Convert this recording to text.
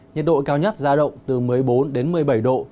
nhiệt độ cao nhất ra động từ một mươi bốn đến một mươi bảy độ